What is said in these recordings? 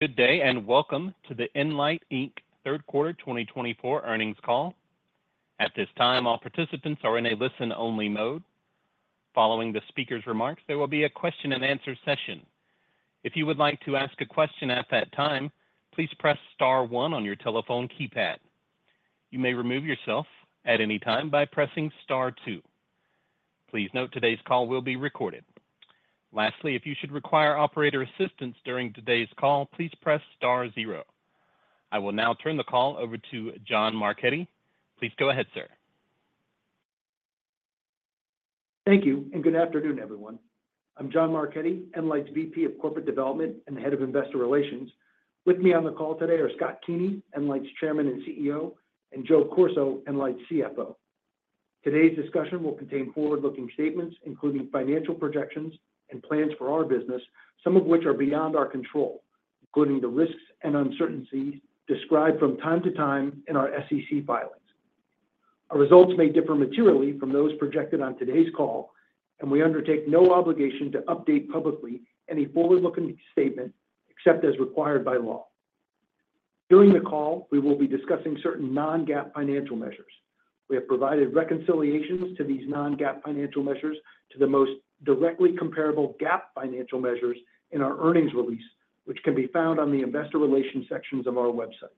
Good day and welcome to the nLIGHT Inc. third quarter 2024 earnings call. At this time, all participants are in a listen-only mode. Following the speaker's remarks, there will be a question-and-answer session. If you would like to ask a question at that time, please press star one on your telephone keypad. You may remove yourself at any time by pressing star two. Please note today's call will be recorded. Lastly, if you should require operator assistance during today's call, please press star zero. I will now turn the call over to John Marchetti. Please go ahead, sir. Thank you and good afternoon, everyone. I'm John Marchetti, nLIGHT's VP of Corporate Development and the head of investor relations. With me on the call today are Scott Keeney, nLIGHT's Chairman and CEO, and Joe Corso, nLIGHT's CFO. Today's discussion will contain forward-looking statements, including financial projections and plans for our business, some of which are beyond our control, including the risks and uncertainties described from time to time in our SEC filings. Our results may differ materially from those projected on today's call, and we undertake no obligation to update publicly any forward-looking statement except as required by law. During the call, we will be discussing certain non-GAAP financial measures. We have provided reconciliations to these non-GAAP financial measures to the most directly comparable GAAP financial measures in our earnings release, which can be found on the investor relations sections of our website.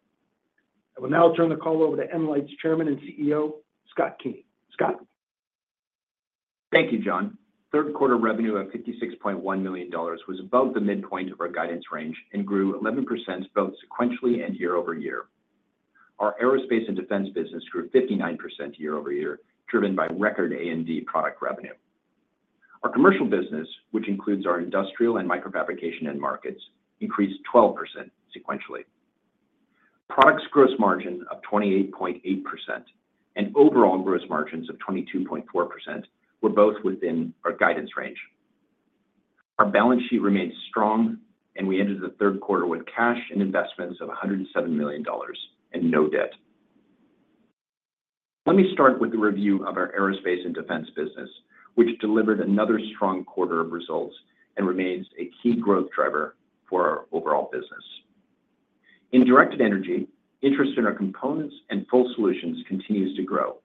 I will now turn the call over to nLIGHT's Chairman and CEO, Scott Keeney. Scott. Thank you, John. Third quarter revenue of $56.1 million was above the midpoint of our guidance range and grew 11% both sequentially and year-over-year. Our aerospace and defense business grew 59% year-over-year, driven by record A&D product revenue. Our commercial business, which includes our industrial and microfabrication end markets, increased 12% sequentially. Product gross margin of 28.8% and overall gross margins of 22.4% were both within our guidance range. Our balance sheet remained strong, and we entered the third quarter with cash and investments of $107 million and no debt. Let me start with the review of our aerospace and defense business, which delivered another strong quarter of results and remains a key growth driver for our overall business. In directed energy, interest in our components and full solutions continues to grow.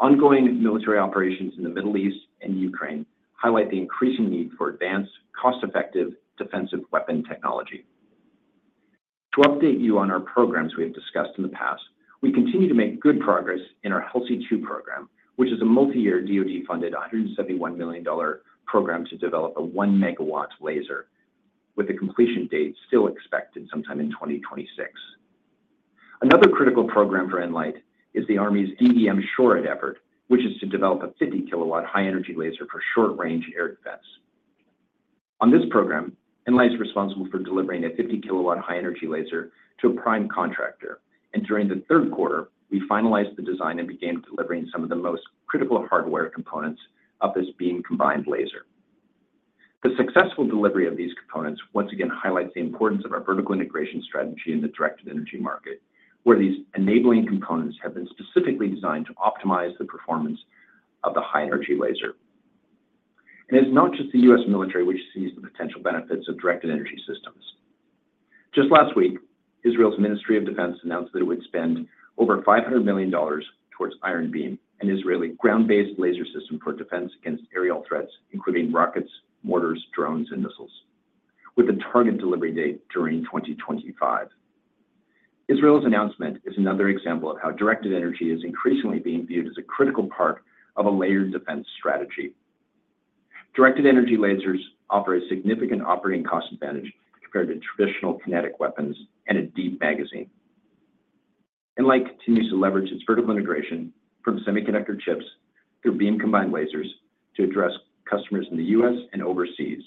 Ongoing military operations in the Middle East and Ukraine highlight the increasing need for advanced, cost-effective defensive weapon technology. To update you on our programs we have discussed in the past, we continue to make good progress in our HELSI 2 program, which is a multi-year DOD-funded $171 million program to develop a one MW laser, with a completion date still expected sometime in 2026. Another critical program for nLIGHT is the Army's DE M-SHORAD effort, which is to develop a 50 KW high-energy laser for short-range air defense. On this program, nLIGHT is responsible for delivering a 50 KW high-energy laser to a prime contractor, and during the third quarter, we finalized the design and began delivering some of the most critical hardware components of this beam-combined laser. The successful delivery of these components once again highlights the importance of our vertical integration strategy in the directed energy market, where these enabling components have been specifically designed to optimize the performance of the high-energy laser. And it's not just the U.S. military which sees the potential benefits of directed energy systems. Just last week, Israel's Ministry of Defense announced that it would spend over $500 million towards Iron Beam, an Israeli ground-based laser system for defense against aerial threats, including rockets, mortars, drones, and missiles, with a target delivery date during 2025. Israel's announcement is another example of how directed energy is increasingly being viewed as a critical part of a layered defense strategy. Directed energy lasers offer a significant operating cost advantage compared to traditional kinetic weapons and a deep magazine. nLIGHT continues to leverage its vertical integration from semiconductor chips through beam-combined lasers to address customers in the U.S. and overseas.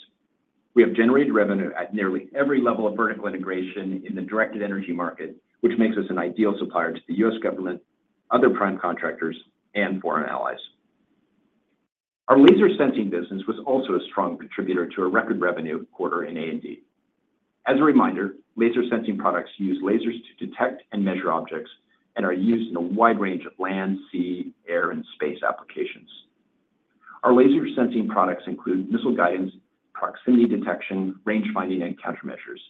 We have generated revenue at nearly every level of vertical integration in the directed energy market, which makes us an ideal supplier to the U.S. government, other prime contractors, and foreign allies. Our laser sensing business was also a strong contributor to our record revenue quarter in A&D. As a reminder, laser sensing products use lasers to detect and measure objects and are used in a wide range of land, sea, air, and space applications. Our laser sensing products include missile guidance, proximity detection, range finding, and countermeasures,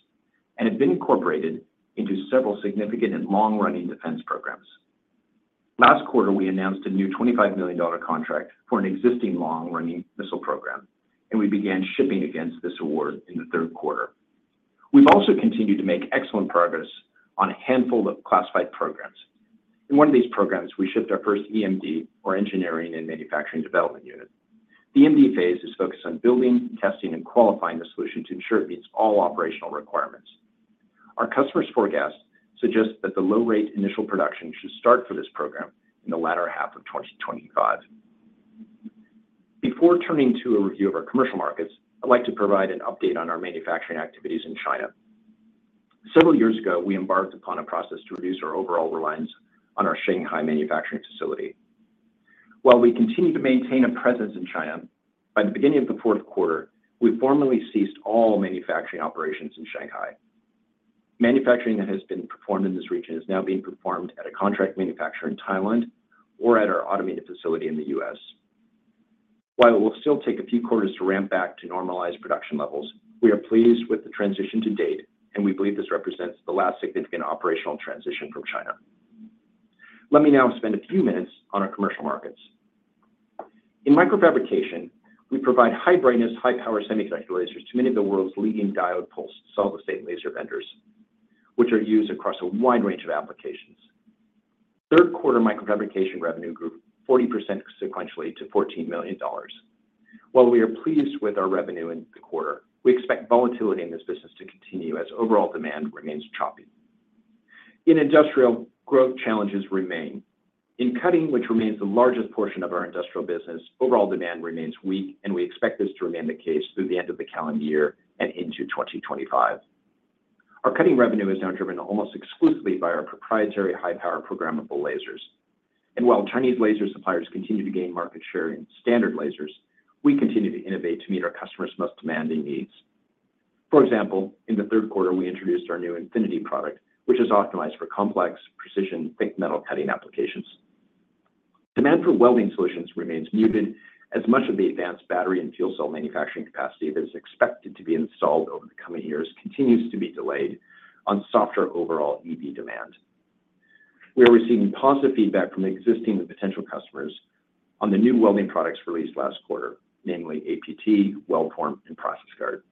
and have been incorporated into several significant and long-running defense programs. Last quarter, we announced a new $25 million contract for an existing long-running missile program, and we began shipping against this award in the third quarter. We've also continued to make excellent progress on a handful of classified programs. In one of these programs, we shipped our first EMD, or Engineering and Manufacturing Development Unit. The EMD phase is focused on building, testing, and qualifying the solution to ensure it meets all operational requirements. Our customers' forecast suggests that the low-rate initial production should start for this program in the latter half of 2025. Before turning to a review of our commercial markets, I'd like to provide an update on our manufacturing activities in China. Several years ago, we embarked upon a process to reduce our overall reliance on our Shanghai manufacturing facility. While we continue to maintain a presence in China, by the beginning of the fourth quarter, we formally ceased all manufacturing operations in Shanghai. Manufacturing that has been performed in this region is now being performed at a contract manufacturer in Thailand or at our automated facility in the U.S. While it will still take a few quarters to ramp back to normalized production levels, we are pleased with the transition to date, and we believe this represents the last significant operational transition from China. Let me now spend a few minutes on our commercial markets. In microfabrication, we provide high-brightness, high-power semiconductor lasers to many of the world's leading diode pulse solid-state laser vendors, which are used across a wide range of applications. Third quarter microfabrication revenue grew 40% sequentially to $14 million. While we are pleased with our revenue in the quarter, we expect volatility in this business to continue as overall demand remains choppy. In industrial, growth challenges remain. In cutting, which remains the largest portion of our industrial business, overall demand remains weak, and we expect this to remain the case through the end of the calendar year and into 2025. Our cutting revenue is now driven almost exclusively by our proprietary high-power programmable lasers. And while Chinese laser suppliers continue to gain market share in standard lasers, we continue to innovate to meet our customers' most demanding needs. For example, in the third quarter, we introduced our new Infinity product, which is optimized for complex, precision, thick metal cutting applications. Demand for welding solutions remains muted, as much of the advanced battery and fuel cell manufacturing capacity that is expected to be installed over the coming years continues to be delayed on softer overall EV demand. We are receiving positive feedback from existing and potential customers on the new welding products released last quarter, namely APT, WELDForm, and ProcessGUARD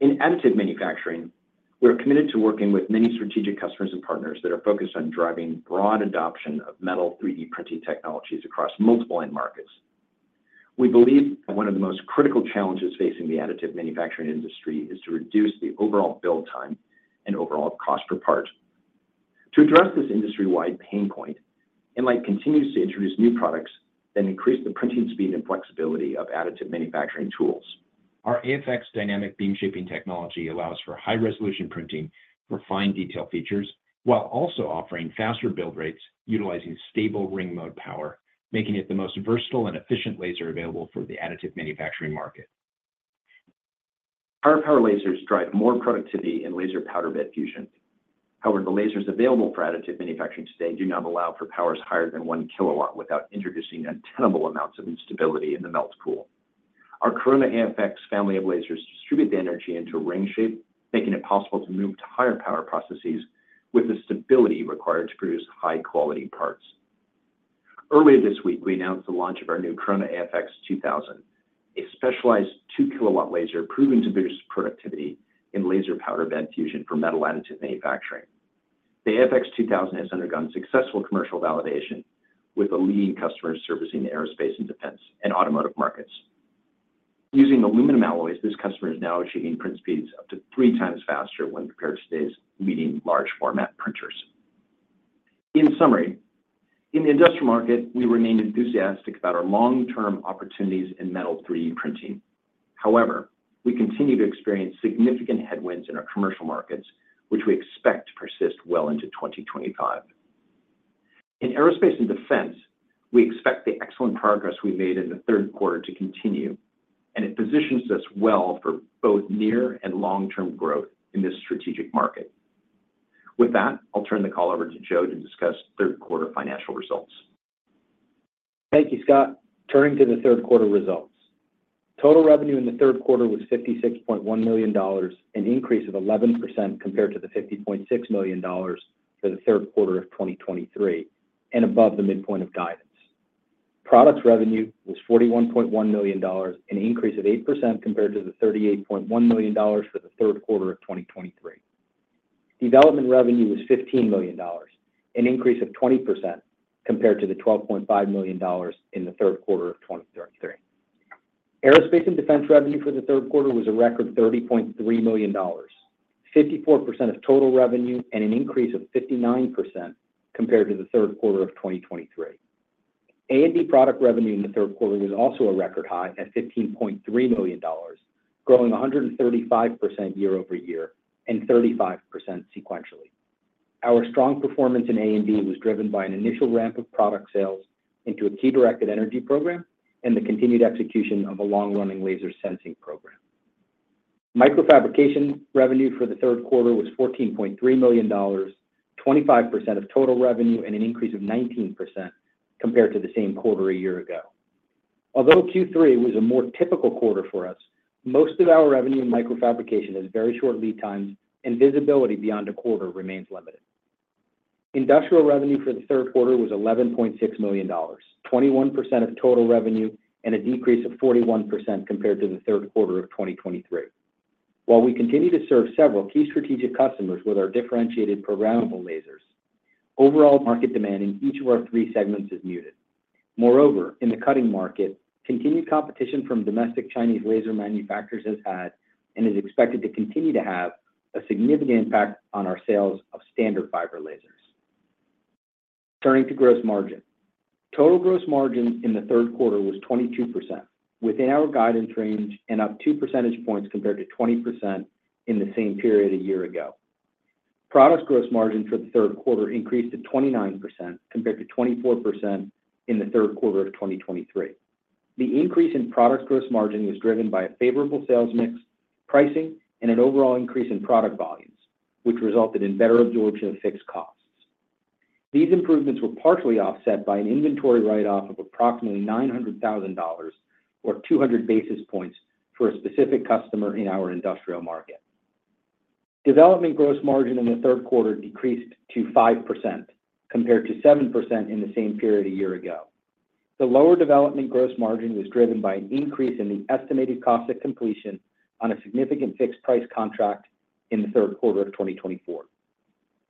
In additive manufacturing, we are committed to working with many strategic customers and partners that are focused on driving broad adoption of metal 3D printing technologies across multiple end markets. We believe that one of the most critical challenges facing the additive manufacturing industry is to reduce the overall build time and overall cost per part. To address this industry-wide pain point, nLIGHT continues to introduce new products that increase the printing speed and flexibility of additive manufacturing tools. Our AFX Dynamic Beam Shaping Technology allows for high-resolution printing for fine detail features while also offering faster build rates utilizing stable ring mode power, making it the most versatile and efficient laser available for the additive manufacturing market. Powerful lasers drive more productivity in laser powder bed fusion. However, the lasers available for additive manufacturing today do not allow for powers higher than one kilowatt without introducing untenable amounts of instability in the melt pool. Our Corona AFX family of lasers distribute the energy into ring shape, making it possible to move to higher power processes with the stability required to produce high-quality parts. Earlier this week, we announced the launch of our new Corona AFX 2000, a specialized two-kilowatt laser proven to produce productivity in laser powder bed fusion for metal additive manufacturing. The AFX 2000 has undergone successful commercial validation with a leading customer servicing the aerospace and defense, and automotive markets. Using aluminum alloys, this customer is now achieving print speeds up to three times faster when compared to today's leading large-format printers. In summary, in the industrial market, we remain enthusiastic about our long-term opportunities in metal 3D printing. However, we continue to experience significant headwinds in our commercial markets, which we expect to persist well into 2025. In aerospace and defense, we expect the excellent progress we made in the third quarter to continue, and it positions us well for both near and long-term growth in this strategic market. With that, I'll turn the call over to Joe to discuss third quarter financial results. Thank you, Scott. Turning to the third quarter results, total revenue in the third quarter was $56.1 million, an increase of 11% compared to the $50.6 million for the third quarter of 2023, and above the midpoint of guidance. Product revenue was $41.1 million, an increase of 8% compared to the $38.1 million for the third quarter of 2023. Development revenue was $15 million, an increase of 20% compared to the $12.5 million in the third quarter of 2023. Aerospace and defense revenue for the third quarter was a record $30.3 million, 54% of total revenue, and an increase of 59% compared to the third quarter of 2023. A&D product revenue in the third quarter was also a record high at $15.3 million, growing 135% year-over-year and 35% sequentially. Our strong performance in A&D was driven by an initial ramp of product sales into a key directed energy program and the continued execution of a long-running laser sensing program. Microfabrication revenue for the third quarter was $14.3 million, 25% of total revenue, and an increase of 19% compared to the same quarter a year ago. Although Q3 was a more typical quarter for us, most of our revenue in microfabrication has very short lead times, and visibility beyond a quarter remains limited. Industrial revenue for the third quarter was $11.6 million, 21% of total revenue, and a decrease of 41% compared to the third quarter of 2023. While we continue to serve several key strategic customers with our differentiated programmable lasers, overall market demand in each of our three segments is muted. Moreover, in the cutting market, continued competition from domestic Chinese laser manufacturers has had and is expected to continue to have a significant impact on our sales of standard fiber lasers. Turning to gross margin, total gross margin in the third quarter was 22%, within our guidance range and up 2 percentage points compared to 20% in the same period a year ago. Product gross margin for the third quarter increased to 29% compared to 24% in the third quarter of 2023. The increase in product gross margin was driven by a favorable sales mix, pricing, and an overall increase in product volumes, which resulted in better absorption of fixed costs. These improvements were partially offset by an inventory write-off of approximately $900,000 or 200 basis points for a specific customer in our industrial market. Development gross margin in the third quarter decreased to 5% compared to 7% in the same period a year ago. The lower development gross margin was driven by an increase in the estimated cost of completion on a significant fixed-price contract in the third quarter of 2024.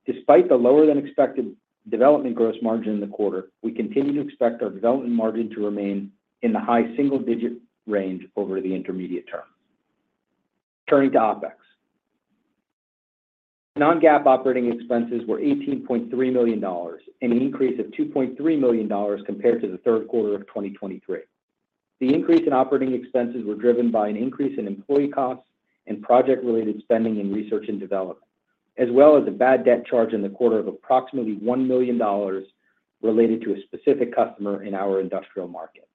Despite the lower-than-expected development gross margin in the quarter, we continue to expect our development margin to remain in the high single-digit range over the intermediate term. Turning to OpEx, non-GAAP operating expenses were $18.3 million, an increase of $2.3 million compared to the third quarter of 2023. The increase in operating expenses was driven by an increase in employee costs and project-related spending in research and development, as well as a bad debt charge in the quarter of approximately $1 million related to a specific customer in our industrial market.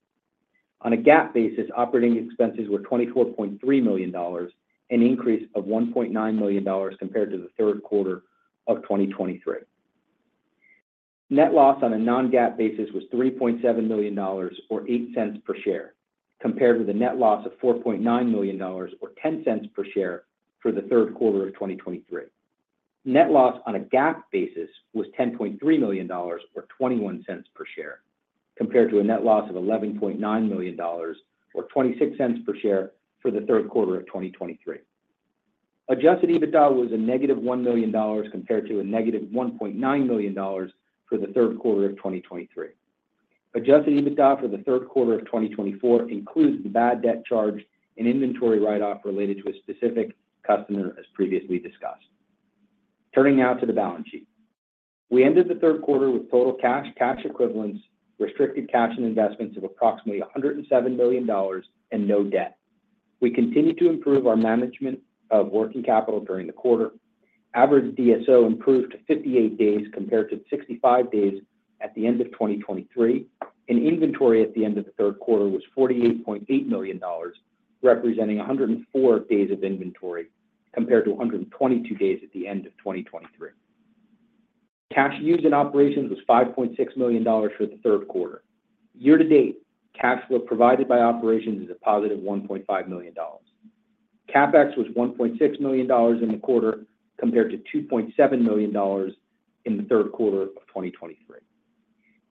On a GAAP basis, operating expenses were $24.3 million, an increase of $1.9 million compared to the third quarter of 2023. Net loss on a non-GAAP basis was $3.7 million or $0.08 per share, compared with a net loss of $4.9 million or $0.10 per share for the third quarter of 2023. Net loss on a GAAP basis was $10.3 million or $0.21 per share, compared to a net loss of $11.9 million or $0.26 per share for the third quarter of 2023. Adjusted EBITDA was a negative $1 million compared to a negative $1.9 million for the third quarter of 2023. Adjusted EBITDA for the third quarter of 2024 includes the bad debt charge and inventory write-off related to a specific customer, as previously discussed. Turning now to the balance sheet, we ended the third quarter with total cash, cash equivalents, restricted cash, and investments of approximately $107 million and no debt. We continue to improve our management of working capital during the quarter. Average DSO improved to 58 days compared to 65 days at the end of 2023. Inventory at the end of the third quarter was $48.8 million, representing 104 days of inventory compared to 122 days at the end of 2023. Cash used in operations was $5.6 million for the third quarter. Year-to-date, cash flow provided by operations is a positive $1.5 million. CapEx was $1.6 million in the quarter compared to $2.7 million in the third quarter of 2023.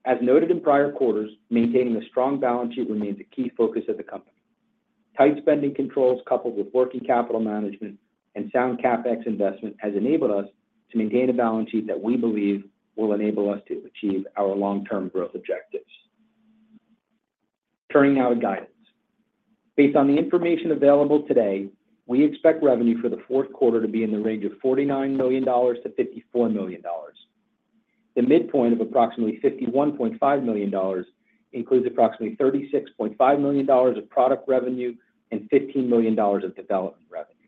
As noted in prior quarters, maintaining a strong balance sheet remains a key focus of the company. Tight spending controls coupled with working capital management and sound CapEx investment have enabled us to maintain a balance sheet that we believe will enable us to achieve our long-term growth objectives. Turning now to guidance. Based on the information available today, we expect revenue for the fourth quarter to be in the range of $49 million -$54 million. The midpoint of approximately $51.5 million includes approximately $36.5 million of product revenue and $15 million of development revenue.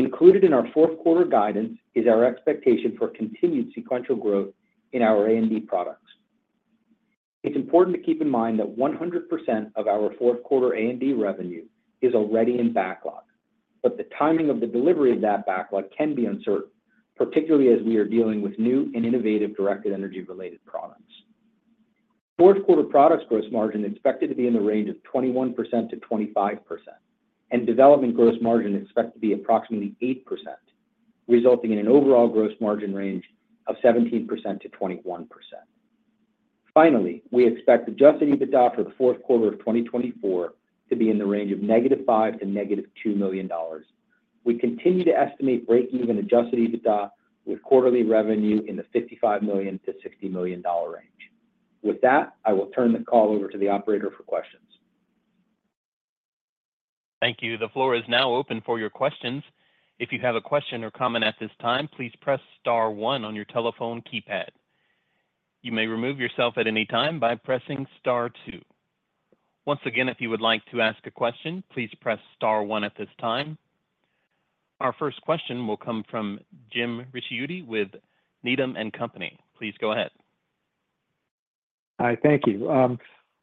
Included in our fourth quarter guidance is our expectation for continued sequential growth in our A&D products. It's important to keep in mind that 100% of our fourth quarter A&D revenue is already in backlog, but the timing of the delivery of that backlog can be uncertain, particularly as we are dealing with new and innovative directed energy-related products. Fourth quarter product gross margin is expected to be in the range of 21%-25%, and development gross margin is expected to be approximately 8%, resulting in an overall gross margin range of 17%-21%. Finally, we expect Adjusted EBITDA for the fourth quarter of 2024 to be in the range of -$5 million to -$2 million. We continue to estimate break-even Adjusted EBITDA with quarterly revenue in the $55 million-$60 million range. With that, I will turn the call over to the operator for questions. Thank you. The floor is now open for your questions. If you have a question or comment at this time, please press star one on your telephone keypad. You may remove yourself at any time by pressing star two. Once again, if you would like to ask a question, please press star one at this time. Our first question will come from Jim Ricchiuti with Needham & Company. Please go ahead. Hi, thank you.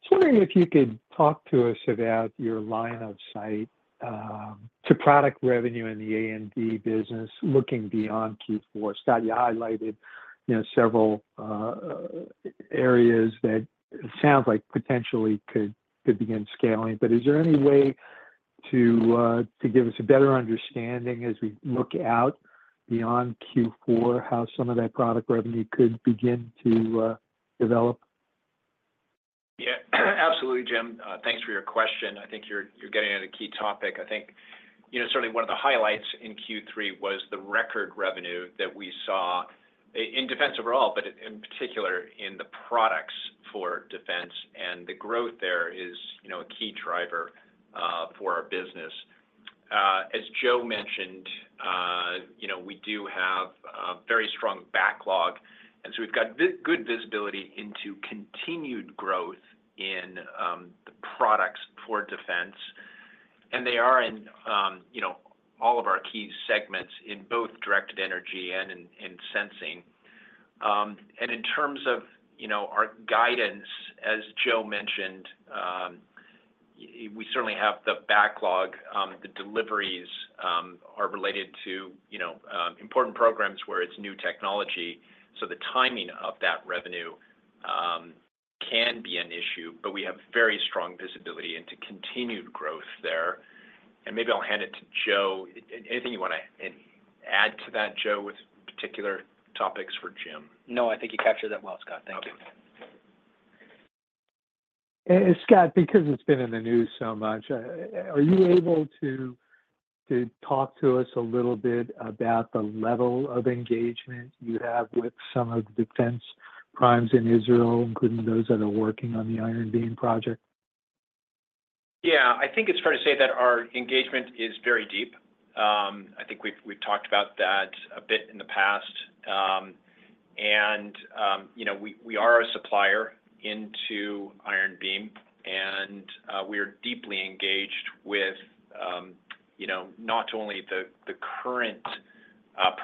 I was wondering if you could talk to us about your line of sight to product revenue in the A&D business looking beyond Q4. Scott, you highlighted several areas that it sounds like potentially could begin scaling, but is there any way to give us a better understanding as we look out beyond Q4 how some of that product revenue could begin to develop? Yeah, absolutely, Jim. Thanks for your question. I think you're getting at a key topic. I think certainly one of the highlights in Q3 was the record revenue that we saw in defense overall, but in particular in the products for defense, and the growth there is a key driver for our business. As Joe mentioned, we do have a very strong backlog, and so we've got good visibility into continued growth in the products for defense, and they are in all of our key segments in both directed energy and in sensing. And in terms of our guidance, as Joe mentioned, we certainly have the backlog. The deliveries are related to important programs where it's new technology, so the timing of that revenue can be an issue, but we have very strong visibility into continued growth there. And maybe I'll hand it to Joe. Anything you want to add to that, Joe, with particular topics for Jim? No, I think you captured that well, Scott. Thank you. Scott, because it's been in the news so much, are you able to talk to us a little bit about the level of engagement you have with some of the defense primes in Israel, including those that are working on the Iron Beam project? Yeah, I think it's fair to say that our engagement is very deep. I think we've talked about that a bit in the past, and we are a supplier into Iron Beam, and we are deeply engaged with not only the current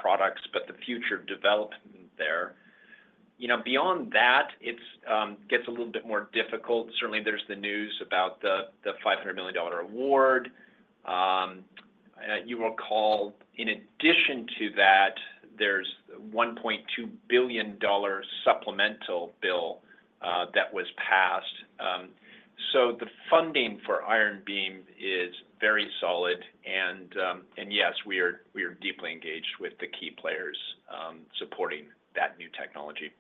products but the future development there. Beyond that, it gets a little bit more difficult. Certainly, there's the news about the $500 million award. You'll recall, in addition to that, there's a $1.2 billion supplemental bill that was passed, so the funding for Iron Beam is very solid, and yes, we are deeply engaged with the key players supporting that new technology.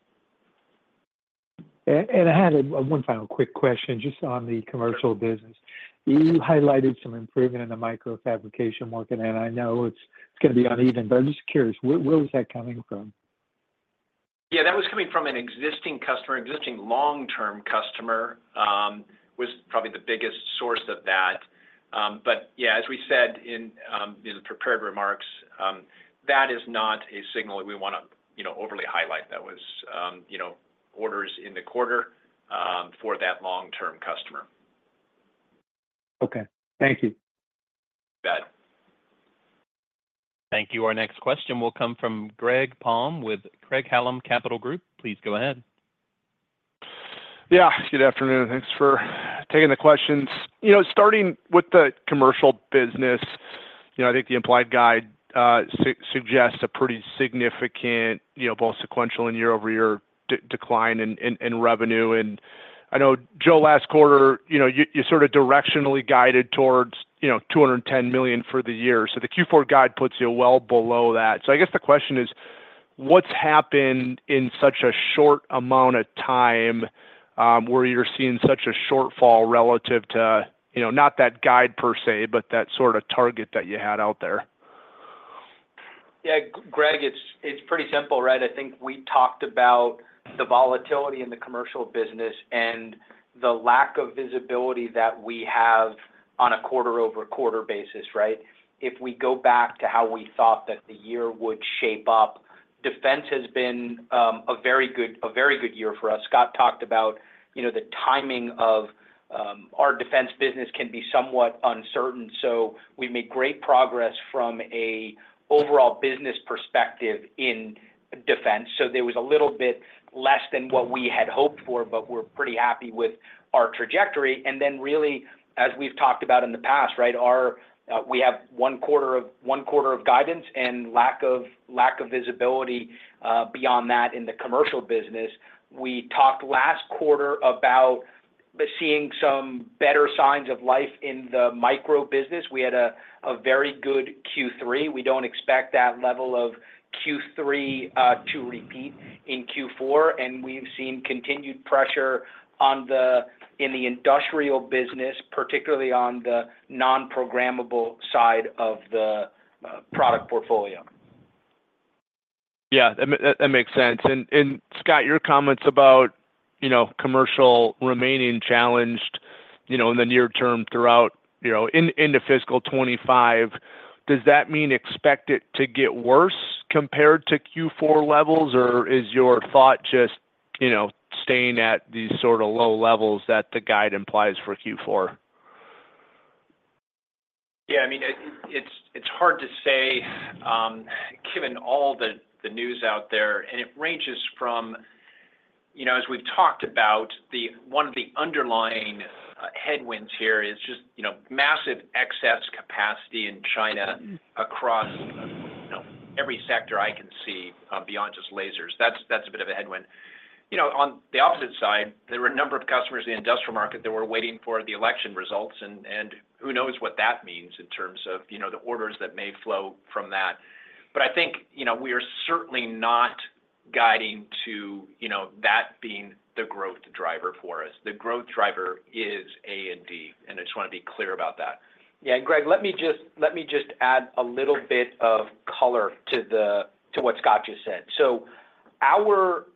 I had one final quick question just on the commercial business. You highlighted some improvement in the microfabrication market, and I know it's going to be uneven, but I'm just curious, where was that coming from? Yeah, that was coming from an existing customer, existing long-term customer was probably the biggest source of that. But yeah, as we said in the prepared remarks, that is not a signal we want to overly highlight. That was orders in the quarter for that long-term customer. Okay. Thank you. Bet. Thank you. Our next question will come from Greg Palm with Craig-Hallum Capital Group. Please go ahead. Yeah, good afternoon. Thanks for taking the questions. Starting with the commercial business, I think the implied guide suggests a pretty significant both sequential and year-over-year decline in revenue. And I know, Joe, last quarter, you sort of directionally guided towards $210 million for the year. So the Q4 guide puts you well below that. So I guess the question is, what's happened in such a short amount of time where you're seeing such a shortfall relative to not that guide per se, but that sort of target that you had out there? Yeah, Greg, it's pretty simple, right? I think we talked about the volatility in the commercial business and the lack of visibility that we have on a quarter-over-quarter basis, right? If we go back to how we thought that the year would shape up, defense has been a very good year for us. Scott talked about the timing of our defense business can be somewhat uncertain, so we've made great progress from an overall business perspective in defense. So there was a little bit less than what we had hoped for, but we're pretty happy with our trajectory. And then really, as we've talked about in the past, right, we have one quarter of guidance and lack of visibility beyond that in the commercial business. We talked last quarter about seeing some better signs of life in the micro business. We had a very good Q3. We don't expect that level of Q3 to repeat in Q4, and we've seen continued pressure in the industrial business, particularly on the non-programmable side of the product portfolio. Yeah, that makes sense, and Scott, your comments about commercial remaining challenged in the near term throughout into fiscal 2025, does that mean expect it to get worse compared to Q4 levels, or is your thought just staying at these sort of low levels that the guide implies for Q4? Yeah, I mean, it's hard to say given all the news out there, and it ranges from, as we've talked about, one of the underlying headwinds here is just massive excess capacity in China across every sector I can see beyond just lasers. That's a bit of a headwind. On the opposite side, there were a number of customers in the industrial market that were waiting for the election results, and who knows what that means in terms of the orders that may flow from that. But I think we are certainly not guiding to that being the growth driver for us. The growth driver is A and D, and I just want to be clear about that. Yeah, and Greg, let me just add a little bit of color to what Scott just said. So our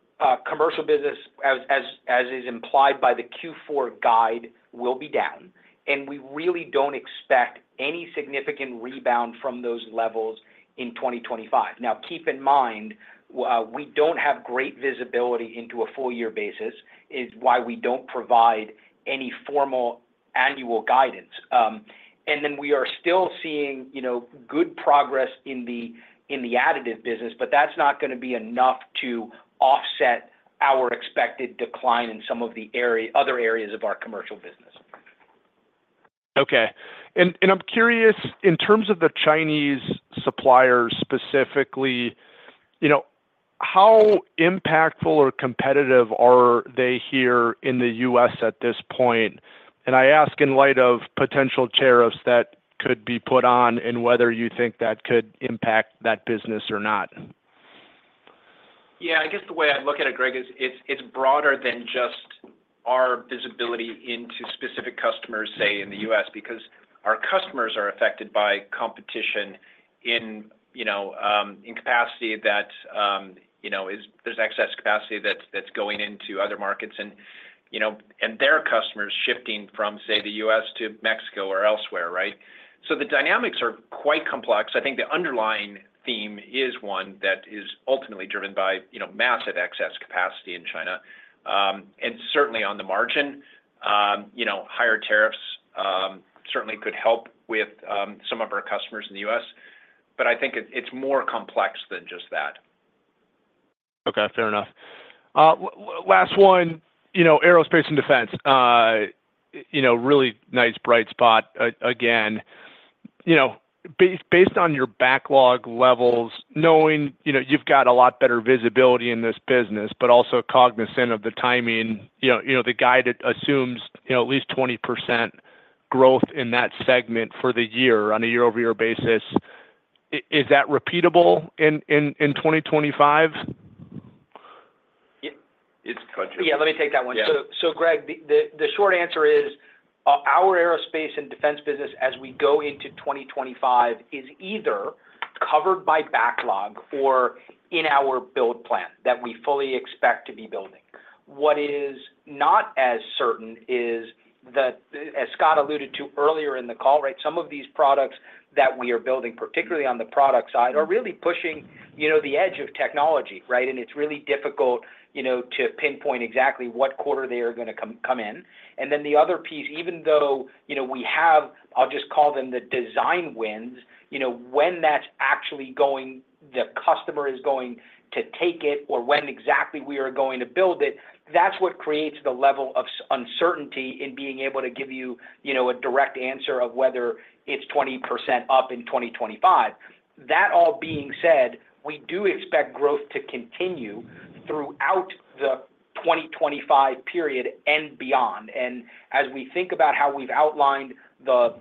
commercial business, as is implied by the Q4 guide, will be down, and we really don't expect any significant rebound from those levels in 2025. Now, keep in mind, we don't have great visibility into a full-year basis, is why we don't provide any formal annual guidance. And then we are still seeing good progress in the additive business, but that's not going to be enough to offset our expected decline in some of the other areas of our commercial business. Okay. And I'm curious, in terms of the Chinese suppliers specifically, how impactful or competitive are they here in the U.S. at this point? And I ask in light of potential tariffs that could be put on and whether you think that could impact that business or not. Yeah, I guess the way I'd look at it, Greg, is it's broader than just our visibility into specific customers, say, in the U.S., because our customers are affected by competition in capacity that there's excess capacity that's going into other markets and their customers shifting from, say, the U.S. to Mexico or elsewhere, right? So the dynamics are quite complex. I think the underlying theme is one that is ultimately driven by massive excess capacity in China. And certainly, on the margin, higher tariffs certainly could help with some of our customers in the U.S., but I think it's more complex than just that. Okay, fair enough. Last one, aerospace and defense. Really nice bright spot again. Based on your backlog levels, knowing you've got a lot better visibility in this business, but also cognizant of the timing, the guide assumes at least 20% growth in that segment for the year on a year-over-year basis. Is that repeatable in 2025? Yeah, let me take that one. So Greg, the short answer is our aerospace and defense business as we go into 2025 is either covered by backlog or in our build plan that we fully expect to be building. What is not as certain is that, as Scott alluded to earlier in the call, right, some of these products that we are building, particularly on the product side, are really pushing the edge of technology, right? And it's really difficult to pinpoint exactly what quarter they are going to come in. And then the other piece, even though we have, I'll just call them the design wins, when that's actually going, the customer is going to take it, or when exactly we are going to build it, that's what creates the level of uncertainty in being able to give you a direct answer of whether it's 20% up in 2025. That all being said, we do expect growth to continue throughout the 2025 period and beyond. And as we think about how we've outlined, I'll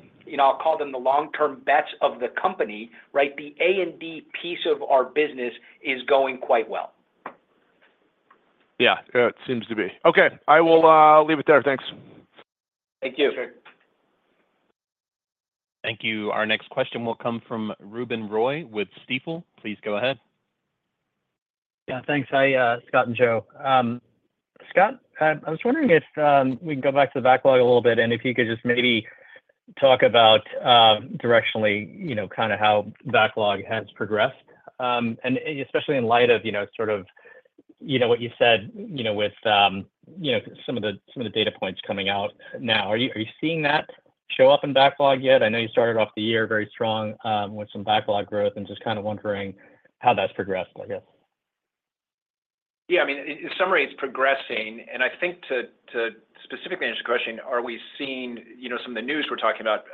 call them the long-term bets of the company, right, the A&D piece of our business is going quite well. Yeah, it seems to be. Okay, I will leave it there. Thanks. Thank you. Thank you. Our next question will come from Ruben Roy with Stifel. Please go ahead. Yeah, thanks, Scott, and Joe. Scott, I was wondering if we can go back to the backlog a little bit and if you could just maybe talk about directionally kind of how backlog has progressed, and especially in light of sort of what you said with some of the data points coming out now. Are you seeing that show up in backlog yet? I know you started off the year very strong with some backlog growth and just kind of wondering how that's progressed, I guess. Yeah, I mean, in summary, it's progressing. And I think to specifically answer your question, are we seeing some of the news we're talking about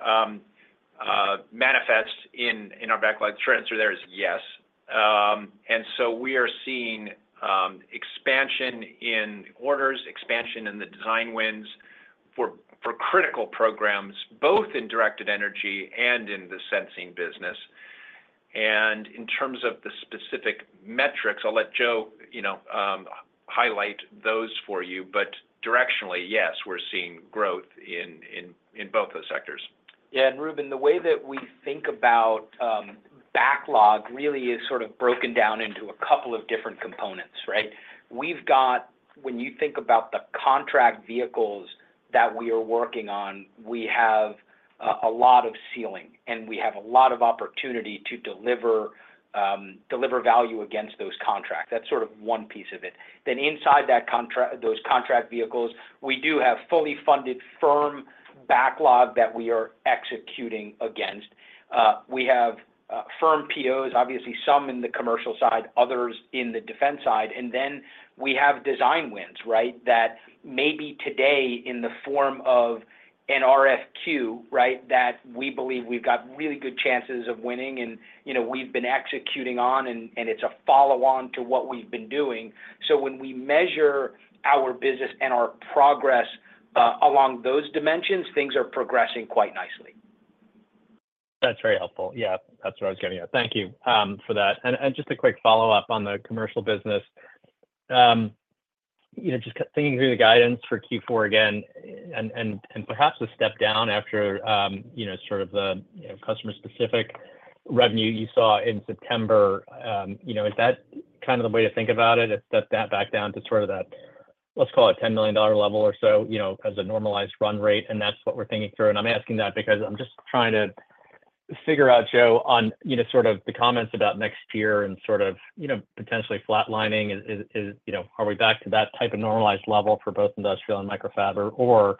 manifest in our backlog? The short answer there is yes. And so we are seeing expansion in orders, expansion in the design wins for critical programs, both in directed energy and in the sensing business. And in terms of the specific metrics, I'll let Joe highlight those for you. But directionally, yes, we're seeing growth in both those sectors. Yeah, and Ruben, the way that we think about backlog really is sort of broken down into a couple of different components, right? We've got, when you think about the contract vehicles that we are working on, we have a lot of ceiling, and we have a lot of opportunity to deliver value against those contracts. That's sort of one piece of it. Then inside those contract vehicles, we do have fully funded firm backlog that we are executing against. We have firm POs, obviously some in the commercial side, others in the defense side. And then we have design wins, right, that maybe today in the form of an RFQ, right, that we believe we've got really good chances of winning, and we've been executing on, and it's a follow-on to what we've been doing. So when we measure our business and our progress along those dimensions, things are progressing quite nicely. That's very helpful. Yeah, that's what I was getting at. Thank you for that. And just a quick follow-up on the commercial business. Just thinking through the guidance for Q4 again, and perhaps a step down after sort of the customer-specific revenue you saw in September, is that kind of the way to think about it? Is that back down to sort of that, let's call it $10 million level or so as a normalized run rate? And that's what we're thinking through. And I'm asking that because I'm just trying to figure out, Joe, on sort of the comments about next year and sort of potentially flatlining. Are we back to that type of normalized level for both industrial and microfab, or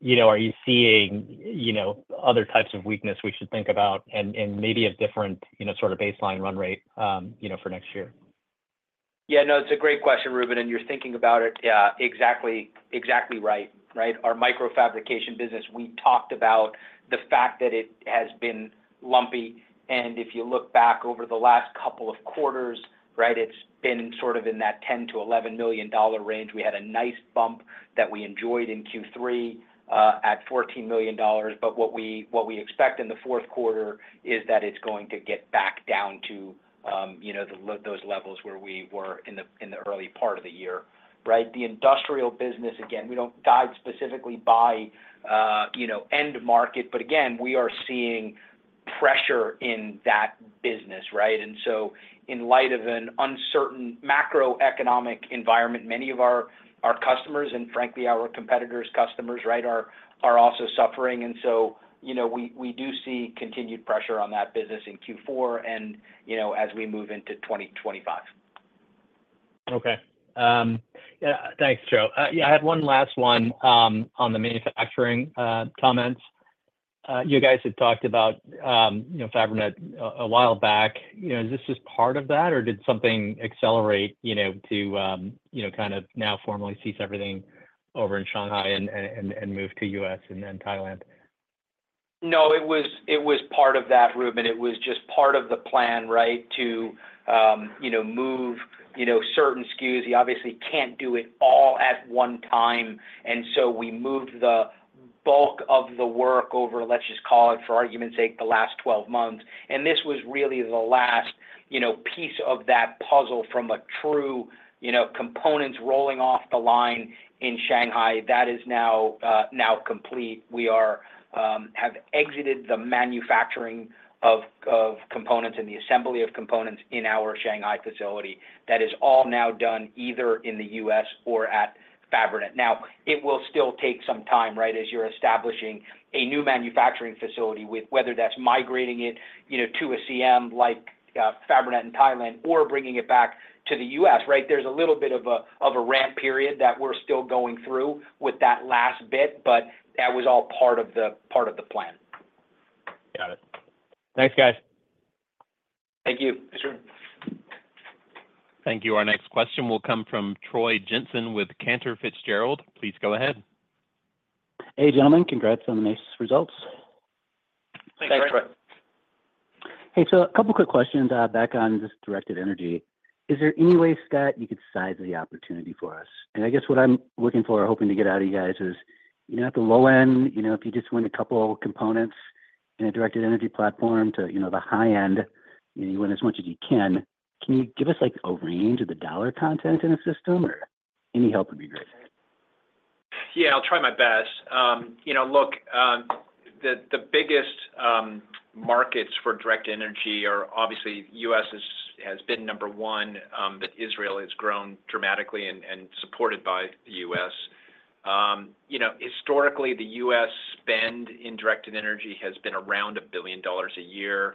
are you seeing other types of weakness we should think about and maybe a different sort of baseline run rate for next year? Yeah, no, it's a great question, Ruben, and you're thinking about it exactly right, right? Our microfabrication business, we talked about the fact that it has been lumpy, and if you look back over the last couple of quarters, right, it's been sort of in that $10-$11 million range. We had a nice bump that we enjoyed in Q3 at $14 million, but what we expect in the fourth quarter is that it's going to get back down to those levels where we were in the early part of the year, right? The industrial business, again, we don't guide specifically by end market, but again, we are seeing pressure in that business, right, and so in light of an uncertain macroeconomic environment, many of our customers and frankly, our competitors' customers, right, are also suffering. We do see continued pressure on that business in Q4 and as we move into 2025. Okay. Thanks, Joe. Yeah, I had one last one on the manufacturing comments. You guys had talked about Fabrinet a while back. Is this just part of that, or did something accelerate to kind of now formally cease everything over in Shanghai and move to the U.S. and Thailand? No, it was part of that, Ruben. It was just part of the plan, right, to move certain SKUs. You obviously can't do it all at one time. And so we moved the bulk of the work over, let's just call it for argument's sake, the last 12 months. And this was really the last piece of that puzzle from a true components rolling off the line in Shanghai. That is now complete. We have exited the manufacturing of components and the assembly of components in our Shanghai facility. That is all now done either in the U.S. or at Fabrinet. Now, it will still take some time, right, as you're establishing a new manufacturing facility, whether that's migrating it to a CM like Fabrinet in Thailand or bringing it back to the U.S., right? There's a little bit of a ramp period that we're still going through with that last bit, but that was all part of the plan. Got it. Thanks, guys. Thank you. Thank you. Our next question will come from Troy Jensen with Cantor Fitzgerald. Please go ahead. Hey, gentlemen. Congrats on the nice results. Thanks Hey, so a couple of quick questions back on just directed energy. Is there any way, Scott, you could size the opportunity for us? And I guess what I'm looking for, hoping to get out of you guys, is at the low end, if you just win a couple of components in a directed energy platform to the high end, you win as much as you can. Can you give us a range of the dollar content in a system, or any help would be great? Yeah, I'll try my best. Look, the biggest markets for directed energy are obviously the U.S. has been number one, but Israel has grown dramatically and supported by the U.S. Historically, the U.S. spend in directed energy has been around $1 billion a year.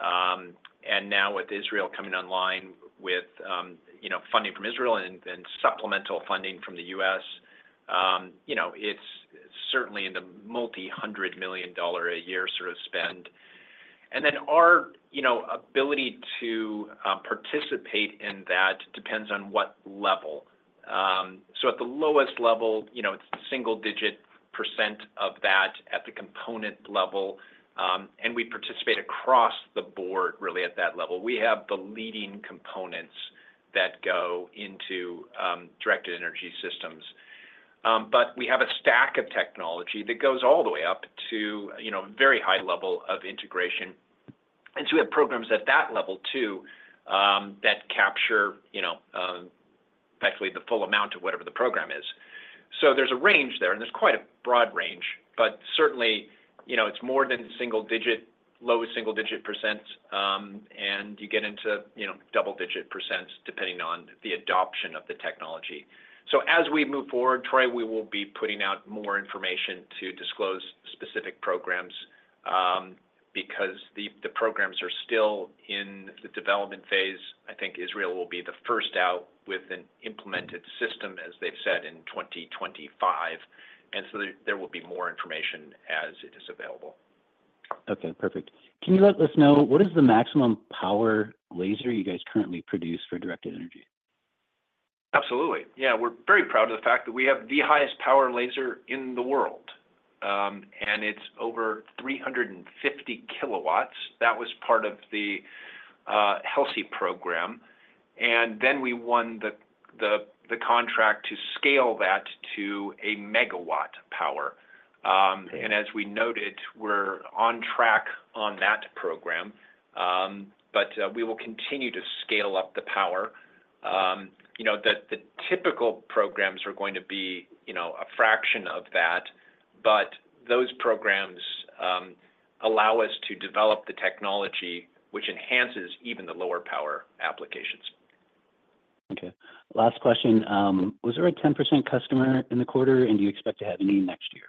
And now with Israel coming online with funding from Israel and supplemental funding from the U.S., it's certainly in the multi-hundred-million-dollar-a-year sort of spend. And then our ability to participate in that depends on what level. So at the lowest level, it's a single-digit % of that at the component level. And we participate across the board really at that level. We have the leading components that go into directed energy systems. But we have a stack of technology that goes all the way up to a very high level of integration. And so we have programs at that level too that capture effectively the full amount of whatever the program is. So there's a range there, and there's quite a broad range. But certainly, it's more than single-digit, low single-digit %, and you get into double-digit % depending on the adoption of the technology. So as we move forward, Troy, we will be putting out more information to disclose specific programs because the programs are still in the development phase. I think Israel will be the first out with an implemented system, as they've said, in 2025. And so there will be more information as it is available. Okay, perfect. Can you let us know what is the maximum power laser you guys currently produce for directed energy? Absolutely. Yeah, we're very proud of the fact that we have the highest power laser in the world, and it's over 350 KW. That was part of the HELSI program. And then we won the contract to scale that to a megawatt power. And as we noted, we're on track on that program, but we will continue to scale up the power. The typical programs are going to be a fraction of that, but those programs allow us to develop the technology, which enhances even the lower power applications. Okay. Last question. Was there a 10% customer in the quarter, and do you expect to have any next year?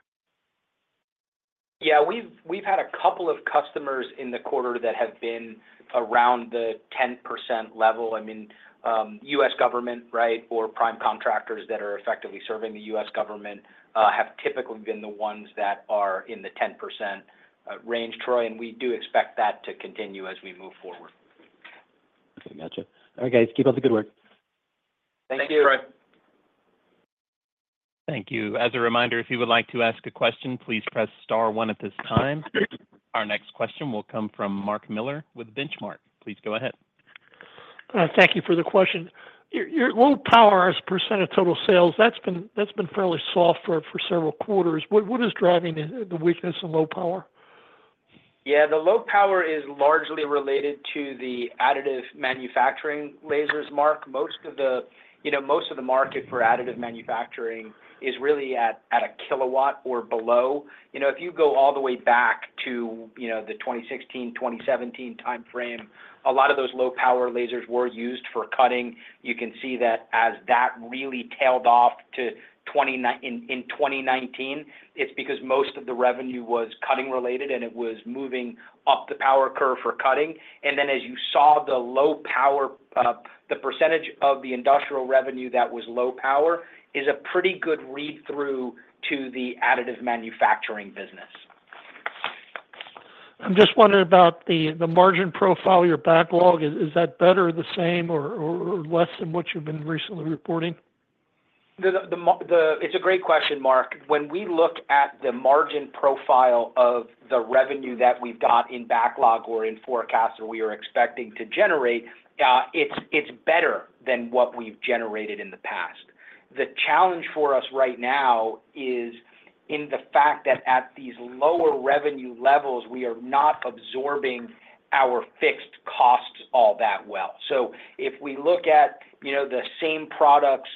Yeah, we've had a couple of customers in the quarter that have been around the 10% level. I mean, U.S. government, right, or prime contractors that are effectively serving the U.S. government have typically been the ones that are in the 10% range, Troy, and we do expect that to continue as we move forward. Okay, gotcha. All right, guys. Keep up the good work. Thank you. Thank you. As a reminder, if you would like to ask a question, please press star one at this time. Our next question will come from Mark Miller with Benchmark. Please go ahead. Thank you for the question. Your low power as a % of total sales, that's been fairly soft for several quarters. What is driving the weakness in low power? Yeah, the low power is largely related to the additive manufacturing lasers, Mark. Most of the market for additive manufacturing is really at a KW or below. If you go all the way back to the 2016, 2017 timeframe, a lot of those low power lasers were used for cutting. You can see that as that really tailed off in 2019. It's because most of the revenue was cutting related, and it was moving up the power curve for cutting. And then as you saw the low power, the percentage of the industrial revenue that was low power is a pretty good read-through to the additive manufacturing business. I'm just wondering about the margin profile, your backlog. Is that better, the same, or less than what you've been recently reporting? It's a great question, Mark. When we look at the margin profile of the revenue that we've got in backlog or in forecast or we are expecting to generate, it's better than what we've generated in the past. The challenge for us right now is in the fact that at these lower revenue levels, we are not absorbing our fixed costs all that well. So if we look at the same products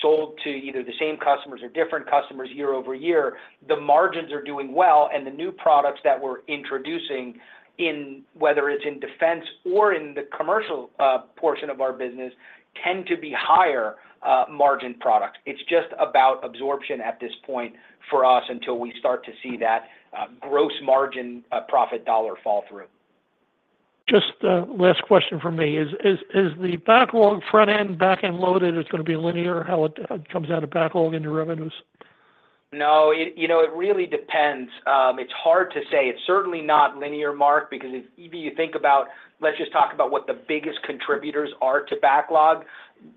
sold to either the same customers or different customers year-over-year, the margins are doing well. And the new products that we're introducing, whether it's in defense or in the commercial portion of our business, tend to be higher margin products. It's just about absorption at this point for us until we start to see that gross margin profit dollar fall through. Just the last question for me is, is the backlog front-end, back-end loaded? Is it going to be linear how it comes out of backlog into revenues? No, it really depends. It's hard to say. It's certainly not linear, Mark, because if you think about, let's just talk about what the biggest contributors are to backlog.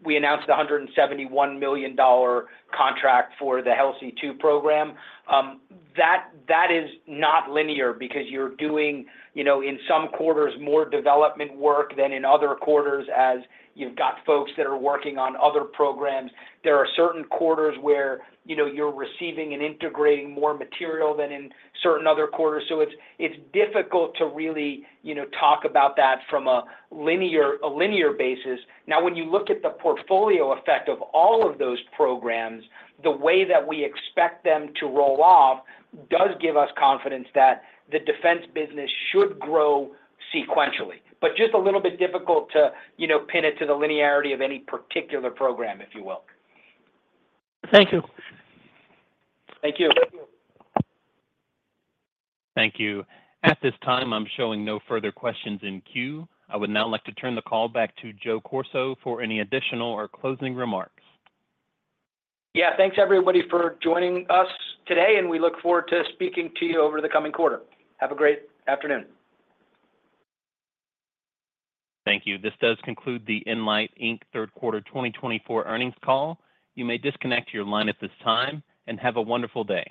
We announced a $171 million contract for the HELSI 2 program. That is not linear because you're doing, in some quarters, more development work than in other quarters as you've got folks that are working on other programs. There are certain quarters where you're receiving and integrating more material than in certain other quarters. So it's difficult to really talk about that from a linear basis. Now, when you look at the portfolio effect of all of those programs, the way that we expect them to roll off does give us confidence that the defense business should grow sequentially, but just a little bit difficult to pin it to the linearity of any particular program, if you will. Thank you. Thank you. Thank you. At this time, I'm showing no further questions in queue. I would now like to turn the call back to Joe Corso for any additional or closing remarks. Yeah, thanks everybody for joining us today, and we look forward to speaking to you over the coming quarter. Have a great afternoon. Thank you. This does conclude the nLIGHT, Inc. Third Quarter 2024 earnings call. You may disconnect your line at this time and have a wonderful day.